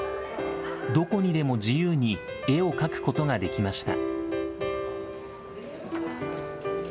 どこにでも自由に絵を描くことができました。